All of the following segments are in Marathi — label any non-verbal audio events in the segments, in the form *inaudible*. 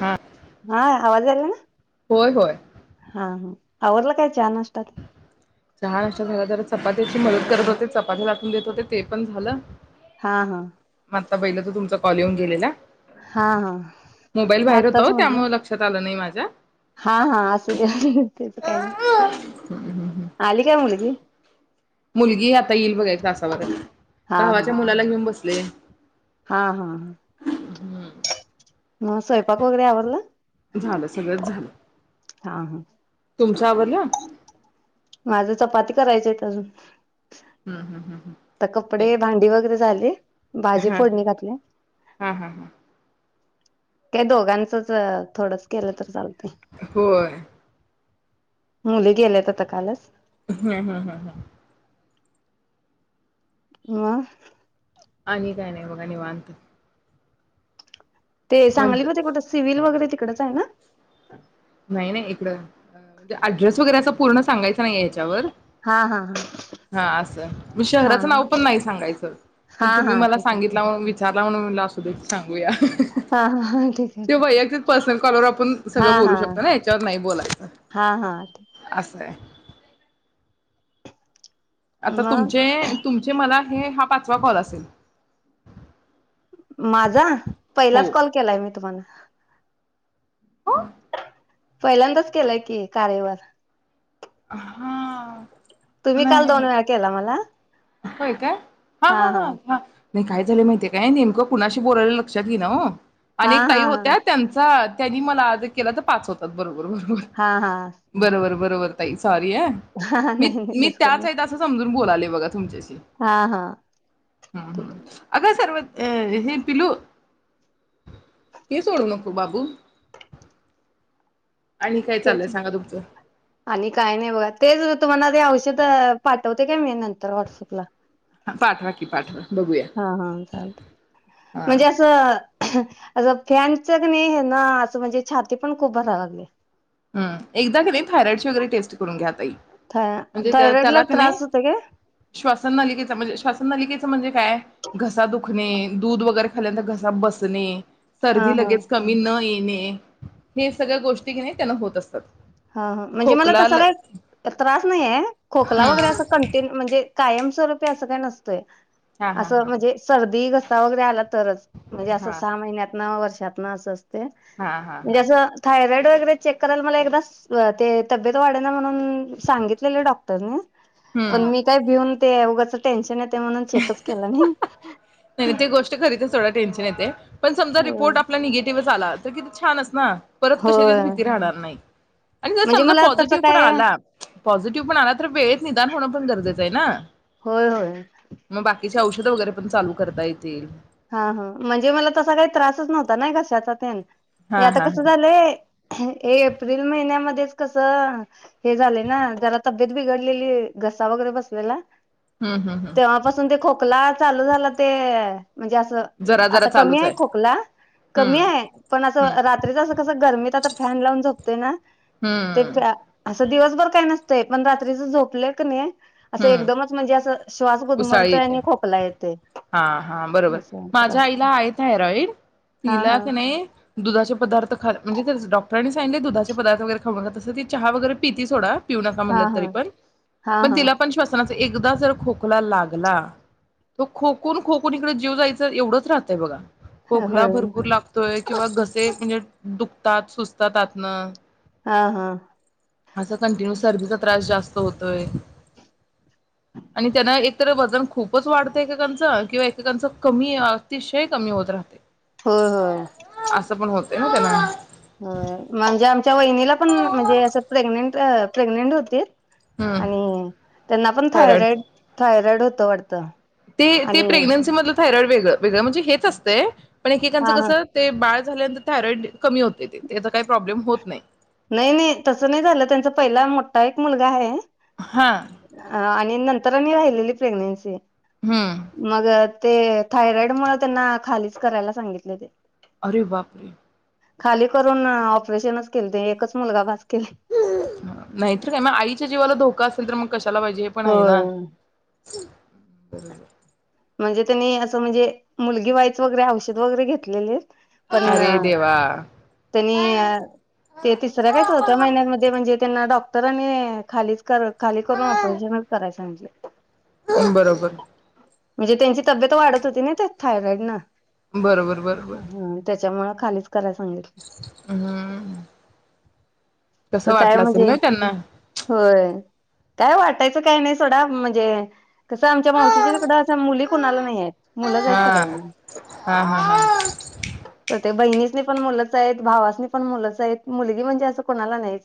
हा हा आवाज आला ना? होय होय हा हा! आवरलं काय चहा नाश्ता तेन? चहा अशा झालं, तर चपात्याची मदत करत होते चपात्या लाटून देत होते ते पण झालं हा हा मग आता बघितलं त तुमचा कॉल येऊन गेलेला हा हा मोबाईल बाहेर होता आत्ताच ओ म्हटलं त्यामुळ लक्षात आलं नाही माझ्या *unintelligible* हा हा असू दे असू दे त्याच काय नाही, आली काय मुलगी मुलगी आता येईल बघा एक तासाभरात हा भावाच्या मुलाला घेऊन बस *unintelligible* हा हा हा हम् म स्वयंपाक वगैरे आवरलं? झालं सगळंच झालं. हा हा तुमच आवरल माझ चपाती करायचयत अजून हम् हम हम् आता कपडे भांडी वगैरे झाले. भाजी हा फोडणी घातल्या हा हा हा काय दोघांचच अ थोडंच केलं तरी चालतय. होय मुली गेल्यात आता कालच हम्म हम्म हम्म हम्म म आणि काय नाही बघा निवांत ते मग सांगली मदे कुठ सिव्हींल वगैरे इकडच आहे ना! नाही नाही इकडं म्हणजे अड्रेस वगैरे असं ते पुर्ण सांगायचं नाही याच्यावर हा हा हा अस हा शहराच हा नाव पण नाही सांगायच पण हा तुम्ही हा मला ठीक आहे सांगितला म्हणून विचारल *unintelligible* म्हटल असुदे सांग गूया हा हा हा ठीक आहे त्यो वैयक्तिक पर्सनल कॉलवर आपण हा सगळं बोलू हा शकतो ना, याच्यावर नाही बोलायचं हा हा ठीक. असंय आता मग तुमचे तुमचे मला हे हा पाचवा कॉल असेल माझा हो. पहिलाच कॉल केलाय मी तुम्हाला हो पहिल्यांदाच केलाय कि कार्यवर हा आ तुम्ही काल दोन वेळा केला मला होय काय? हा हा हा वा नाही काय झालं माहितीय काय नेमकं कुणाशी बोललोय लक्षात येईना ओ.... हा अनेक हा ताई होत्या त्यांचा त्यांनी मला आज एक केला तर पाच होतात बरोबर. हा हा हा *unintelligible* बरोबर बरोबर ताई सॉरी आ मित नाही नाही मी तस का त्याच नाही असं समजून बोलाले... बघा तूमचेस हा हा हम्म ठीक हम्म आहे. अगं सर्वद ए हे पिलू ए सोडू नको बाबू..... आणि काय तेच चाललंय सांगा तुमचं आणि काय नाही बघा तेच तुम्हाला ते औष ह्याच्यात पाठवते का मी नंतर व्हॉट्सअपला.... पाठवा की पाठवा...... बघूया हा हा चालतय हा म्हणजे असं असं फॅनच क नई ह्यांना असं म्हणजे छाती पण खूप भराय लागल्या. ह एकदा *unintelligible* थॉयराइडची ची वगैरे टेस्ट करून घ्या ताई म्हणजे त थायरॉइड ला त्याला तुम्ही त्रास होतो काय श्वासन नलिकेच म्हणजे श्वासन नलिके च म्हणजे काय घसा दुखणे. दूध वगैरे खाल्यानंतर घसा बसणे. हा सर्दी हा लगेच कमी न ये.. हे हे सगळ्या गोष्टी की नाही.. त्यांना होत असतात. हा ह म्हणजे मला खोकला तसा काय त्रास नाहीय खोकला वगैरे हम्म असं कन्टिन्यु म्हणजे..... कायमस्वरूपी असं काय नसतंय.. हा हा असं हा म्हणजे सर्दी घस ता वगैरे आलात. तर च म्हणजे असं हा सहा महिन्यातन वर्ष.... त्यातंन अस हा हा हा म्हणजे अस थायरॉईड.... रक्त वगैरे चेक कराल मला एकदास अ ते तब्येत वाडना म्हणून हम्म सांगितलेलं डॉक्टरनी हम्म पण मी काय भिऊन.. ते उगच टेनशन येत. ते म्हणून चेकअप केलं नाही. *inaudible* तरी ती गोष्ट खरी तर सोडा टेन्शन येतय पण समजा होय रिपोर्ट आपला निगेटिव्हच आला किती छानच ना परत कशाचीच होय भीती राहणार नाही आणि जर म्हणजे समजा मला तसं पॉझिटिव्ह पण काय आला पॉझिटीव्ह पण आहात तर वेळेत निदान होणं पण गरजे *inaudible* ना होय होय. त्याची औषध वगैरे पण चालू करता येतील हा हा म्हणजे मला तसा काही त्रासच नव्हता नाय घशाचा तेन हे हा आता हा हा कस हम्म झालंय हे एप्रिल महिन्यामध्येच कस हे झालंय ना जरा तब्येत बिघडलेली घसा वगैरे बसलेला हम्म हम्म तेव्हापासून ते खोकला चालू झाला ते म्हणजे असं जरा जरा आता कमी चालूच आहे खोकला कमी हम्म हाय पण हम्म असं रात्रीच असं कस गर्मीत आता फॅन लावून झोपतोय ना ते हम्म दिवसभर काय नसतय पण रात्रीच झोपल क नई असं हम्म एकदमच म्हणजे असं श्वास उसाळी गुदमरतोय येते आणि खोकला येतय हा हा माझ्या आईला आहे थायरॉईड हा तिला हा क नाय दुधाचे पदार्थ खाण्या म्हणजे ते डॉक्टरांनीच *inaudible* दुधाचे पदार्थ वगैरे खाऊ नका तशी ती चहा वगैरे पिती सोडा पिऊ नका हा म्हटल तरी हा पण हां, पण हां. तिला श्वसनाचा एकदा जर खोकला लागला तो खोकून खोकून इकड जीव जायच एवढच राहतय बघा खोकला होय. भरपूर लागतोय. किंवा घसे म्हणजे दुखतात सुजतात आतन हा हं असं कंटिन्यू सर्दीचा त्रास जास्त होतोय. आणि त्यांना एकतर वजन खूप *inaudible* वाढतय का काय कच्च किंवा एकेकांचा कमी तिशय कमी होत राहतय होय, असं पण होत *unintelligible* हं म्हणजे आमच्या वहिनीला पण म्हणजे असं प्रेग्नेंट अ प्रेग्नेंट होतीत हम्म आणि त्यांना पण थायरॉइडच थायरॉईड थाय रड होत वाटतं ते ती आणि प्रेग्नेंसी मध थायरॉईड वेगळं, वेगळं म्हणजे हे अस्तेय पण एकेकांच हां, कस हां. ते बाळ झाल्याण थायरॉइड कमी होतंय ते, त्याचा काय प्रॉब्लेम होत नाही. नाही नाही तसं नाही झालं, त्यांचा पहिला मोठा एक मुलगा आहे! हा अ आण आणि नंतर आणि राहिलेली प्रेग्नेंसी. हम्म मगत ते थायरॉइड मूळ त्यांना खालीच करायला सांगितले होते अरे बाप रे! खाली करून ऑपरेशनच केलते एक. कस मुलगा भास नाहीतर काय म आईच्या जीवाला धोका असेल तर मग कशा त्याला पाहिजे हे पण आहे ना. होय. बरोबर. म्हणजे त्यांनी असं, म्हणजे मुलगी व्हायचं वगैरे औषध वगैरे घेतलेले? पण अरे देवा त्यांनी ते तिसऱ्या काय चवथ्या महिन्यामध्ये म्हणजे, त्यांना डॉक्टरांनी खालीच कर खाली करून ऑपरेशनच कराय सागितलं. बरोबर म्हणजे त्यांची तब्येत वाढत होती ना, ते थायरॉइडन बरोबर बरोबर. *unintelligible* हम्म कसं तताय वाटलं असेल म्हणजे? ना त्यांना होय. काय वाटायचं काही नाही सोडा म्हणजे, कसं आमच्या मावशीच्या तिकड आता मुली कुणाला नाही आहेत. मुलंच आहेत सगळ्यांना *unintelligible* ते बहिणीसनी पण मुलंच आहेत, भावासनी पण मुलंच आहेत, मुलगी म्हणजे, असं कोणाला ना आहे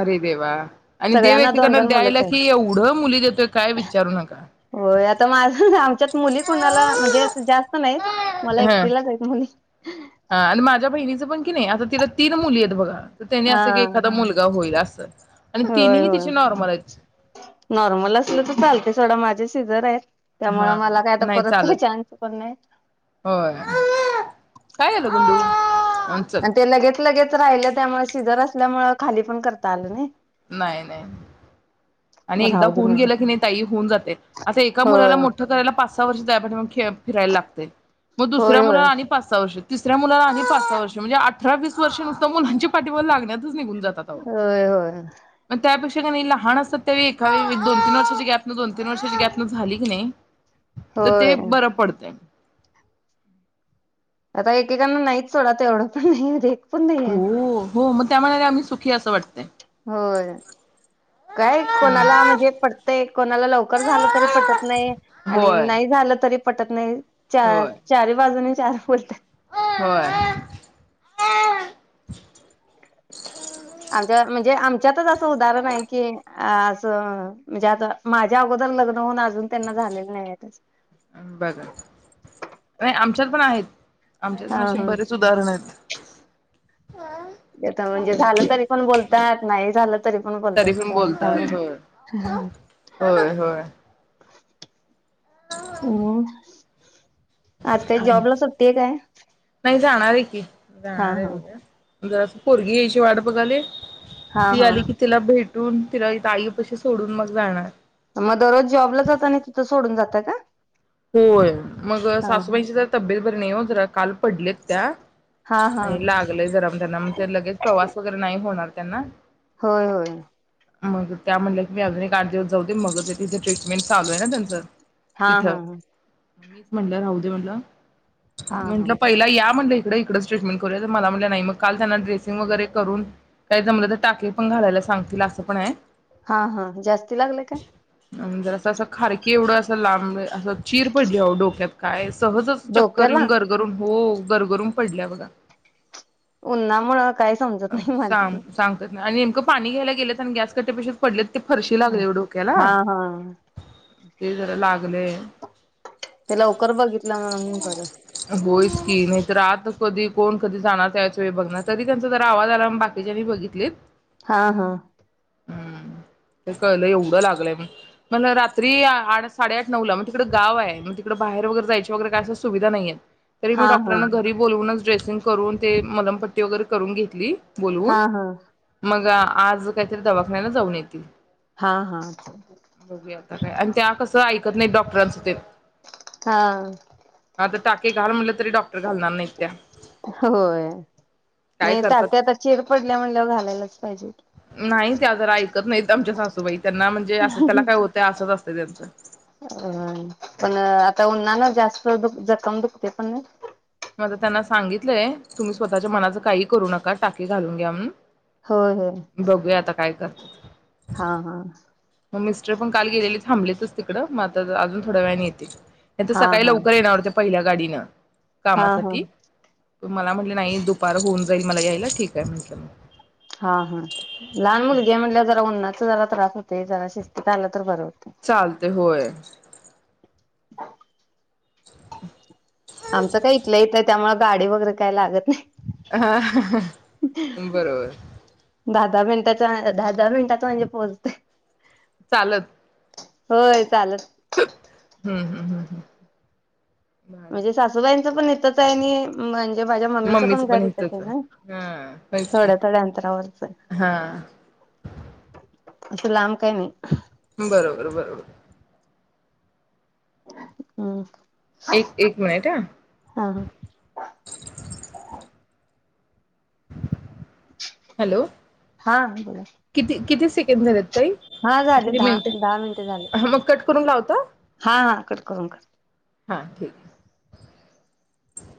अरे देवा, आणि देव सगळ्यांना दोन एकेकांना दोन मुलंच द्यायला आहे. की, एवढं मुली देतोय काय विचारू नका. होय आता माझ, आमच्यात मुली कुणाला म्हणजे असं जास्त नाहीत मला हा एकटीलाच आहेत मुली हा आणि माझ्या बहिणीचं पण किनी आता तिला तीन मुली आहेत बघा. त्याने असं की एखादा मुलगा होईल असं. चल होय-होय नॉर्मल असल तर चालतंय. थोडं माझे सिझर आहेत. हा त्यामुळे हा मला काय आता नाही परत काही चालत चान्स पण नाही. होय काय झालं गोलू अन ते लगेच लगेच राहिलं, त्यामुळे शिजर असल्यामुळे खाली पण करता आलं नाही. नाही नाही आणि मग एकदा राहू दे होऊन म्हटलं गेलं की नाही ताई होऊन जातय, आता एका होय मुलाला मोठं करायला पाच सहा वर्ष जाया पाहि खेळ फिरायला लागतय! मग दुसऱ्या होय होय मुलाला आणि पाच सहा वर्षात तिसऱ्या मुलाला आणि पाच सा वर्ष म्हणजे अठरा वीस वर्ष नुसत मुलांच्या पाठीमाग लागण्यात इथंच निघून जातता अहो होय म त्यापेक्षा ते कनी लहान असत्यात त्या एकावेळी दोन तीन वर्षाचा गॅपन दोन तीन वर्षाचा गॅपन झाली की नाही तर ते होय होय बरं पडतंय आता एकेकांना नाहीच सोडा तेवढं पण नाहीएत पण नाहीयेत त्यामुळे आम्ही सुखिये असं वाटतेय होय काय कोणाला म्हणजे पटतय कोणाला लवकर झालं तरी पटत नाही आणि होय नाई झालं तरी पटत नाही. चार चारी बाजूनी चार फुर्त अ व्हय आमच्या म्हणजे आमच्यातच असं उदाहरण आहे. की असं म्हणजे आता माझ्या अगोदर लग्न होऊन अजून त्यांना झालेलं नाहीए अ बघा नाही आमच्यात पण आहेत, आमच्यात हा पण असे हा बरेच उदाहरण आहेत. ते आता म्हणजे झालं तरी पण बोल त्यात नाही झालंत तरी पण बोलतात होय होय होय हम् आज काय जॉबला सुट्टी आहे काय? नाही जाणार आहे की! हा जाणार आहे हा उद्या जरा असं पोरगी यायची वाट बघालोय हा ती हा आली की तिला भेट *unintelligible* तिला आई पशी सोडून मग जाणार म दररोज जॉबला जातानी तिथ सोडून जातय का? होय मग हा सासूबाईची ज तब्येत बरी नाही हो *unintelligible* काल पडलेत त्या हा हा हा आणि लागलंय जरा *inaudible* त्यांना म ते लगेच प्रवास वगैरे नाही होणार त्यांना होय होय मग त्या म्हणल्या की मी अजून एक आठ दिवस जाऊदे मग ते तिथे ट्रीटमेंट चालू आहे ना त्यांचं हा हा ह म मीच म्हणल राहुदे हा म्हणल हा म्हंटलं पहिला या म्हटलं म्हटल इकडच ट्रीटमेंट करूया तर मला म्हणल्या नाही मग काल त्यांना ड्रेसिंग वगैरे करून काय जमल तर टाके पण घालायला सांगतील असं पण य हा हा जास्ती लागले काय आम् जरास असं खारकीे एवढ अस लांब अस चीर पडली आओ डोक्यात काय सहजच चक्कर डोक्याला येऊन गरगरून हो गरगरुन पडल्या बघा. उन्हामुळ सांग सांगतायेत नाय आणि पाणी घ्यायला गेलेत आणि गॅसकट्यापशीच पडलेत ते फरशी लागलेय ओ डोक्याला हा हा ते जरा लागलय ते लवकर बघितलं म्हणून बरं. होयच की नाही तर आत कधी कोण कधी जाणार त्याच वेळी बघणार तरी त्याचं तो जरा आवाज आलाम्हणून बाकीच्यानी बघितलीत हा हा हम् ते कळलं एवढं लागलंय मग रात्री आठ साडेआठ नऊ ला मग तिकडं गाव आहे मग तिकडं बाहेर वगैरे जायची वगैरे काय अस सुविधा नाहीयेत तरी मी हा हा डॉटरांना घरी बोलवूनच ड्रेस *unintelligible* करून ते मलमपट्टी वगैरे करून घेतली हा बोलवून हा मग आज काहीतरी दवाखान्यातच जाऊन येतील. हा हा बघूया आता काय आणि त्या कस तो ऐकत नाही डॉक्टरांचं ते हा आता टाके घाल म्हटलं तरी डॉक्टर घालणार नाहीत त्या होय काय नाय करतात. टाते आता चिर पडल्या म्हणल्यावर घालायलाच पाहिजे नाही त्या जरा ऐकत नाहीत आमच्या सासूबाई त्यांना म्हणजे असं त्याला काय होतंय असं ते त्यांचा अ पण आता उन्हान जास्त दु जखम दुखते पण आता त्यांना सांगितलंय तुम्ही स्वतःच्या मनाचं काही करू नका टाके घालून घ्या होय होय म्हणून बघूया आता काय कर हा हा मग मिस्टर पण काल गेलेले थांबलेतच तिकडं मग आ अजून थोड्या वेळाने येतील. नाही तर हा सकाळी हा लवकर येणार होते प पहिल्या गाडीनं हा हा कामासाठी मला म्हणले नाही दुपार होऊन जाईल मला यायला ठीक ये म्हंटलं हा हा लहान मुलगीये म्हणल्याव जरा उन्हाच जरा त्रास होतेय, जरा शिस्तीत आल तर बर चालतय होय. हो *inaudible* आमचं काय इथल्या इथ त्यामुळे गाडी वगैरे काही लागत नाही. हा ह ह ह बरोबर दहा दहा मिनिटाच्या दहा दहा मिनिटात म्हणजे पोहचतय चालत होय चालत हम् हम् हम् हम् म्हणजे सासूबाईं तिचं पण हितच आहे आणि मन ये माझ्या मम्मीचं पण मम्मीच घर हितच आहे इथंच ना हा होयच की थोड्या थोड्या अंतरावरच य हा अस लांब काय नाही. बरोबर बरोबर हम् एक एक मिनिट ह हा हॅलो हा बोला सेकंद झालेत *inaudible* हा झाले किती दहा मिनिटे दहा मिनटे झाले *inaudible* हा हा कट करून कर हां ठीक ये